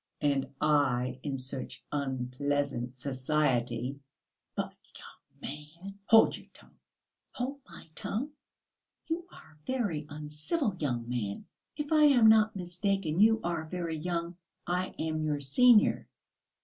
"And I in such unpleasant society." "But, young man!..." "Hold your tongue!" "Hold my tongue? You are very uncivil, young man.... If I am not mistaken, you are very young; I am your senior."